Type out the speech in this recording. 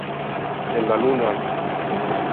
En la luna